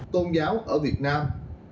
tôn giáo ở việt nam